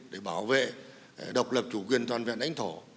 để bảo vệ độc lập chủ quyền toàn vẹn lãnh thổ